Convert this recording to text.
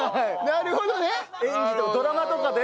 なるほどね。